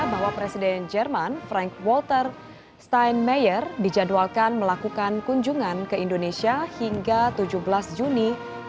bahwa presiden jerman frank walter steinmeyer dijadwalkan melakukan kunjungan ke indonesia hingga tujuh belas juni dua ribu dua puluh